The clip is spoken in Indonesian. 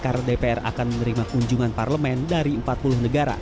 karena dpr akan menerima kunjungan parlemen dari empat puluh negara